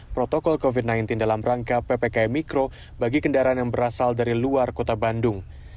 protokol covid sembilan belas dalam rangka ppkm mikro bagi kendaraan yang berasal dari luar kota bandung